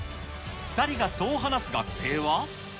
２人がそう話す学生は。